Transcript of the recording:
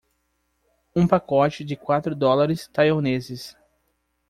Um pacote de quatro dólares taiwaneses